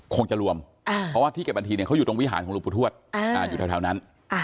คงจะรวมเพราะว่าที่เก็บอาถิเขาอยู่ตรงวิหารของลูกปุรุธวรรษอยู่แถวนั้น